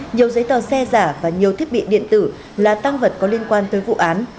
nhiều giấy tờ xe giả và nhiều thiết bị điện tử là tăng vật có liên quan tới vụ án